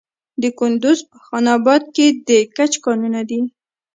د کندز په خان اباد کې د ګچ کانونه دي.